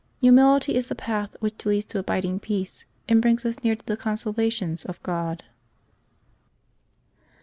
— Humility is the path which leads to abid ing peace and brings us near to the consolations of GK)d.